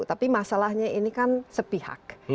tapi masalahnya ini kan sepihak